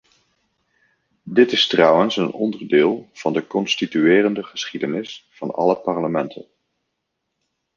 Dit is trouwens een onderdeel van de constituerende geschiedenis van alle parlementen.